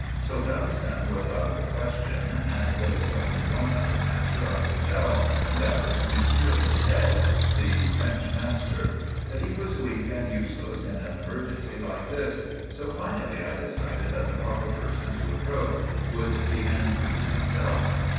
So Dunstan was out of the question, and there was only one other master I could tell, and that was Monsieur Michel, the French master. But he was weak and useless in an emergency like this; so finally I decided that the proper person to approach would be Andrews himself.